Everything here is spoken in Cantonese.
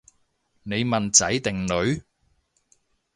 你問仔定女？